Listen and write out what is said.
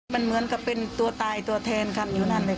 มันเหมือนกับเป็นตัวตายตัวแทนกันอยู่นั่นเลยค่ะ